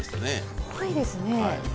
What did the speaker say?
すごいですね。